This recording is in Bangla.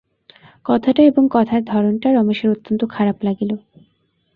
কথাটা এবং কথার ধরনটা রমেশের অত্যন্ত খারাপ লাগিল।